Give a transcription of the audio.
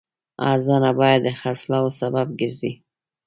ارزانه بیه د خرڅلاو سبب ګرځي.